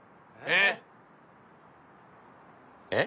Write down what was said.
えっ？